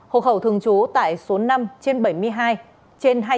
hộ khẩu thường trú tại số năm trên bảy mươi hai trên hai trăm ba mươi chín